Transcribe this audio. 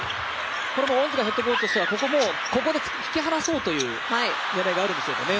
恩塚ヘッドコーチとしてはここで、引き離そうという狙いがあるんですね。